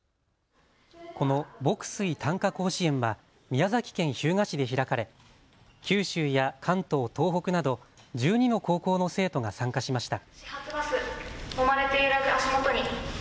この牧水・短歌甲子園は宮崎県日向市で開かれ九州や関東、東北など１２の高校の生徒が参加しました。